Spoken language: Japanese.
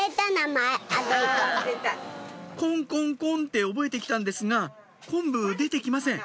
「コンコンコン」って覚えてきたんですが「コンブ」出てきません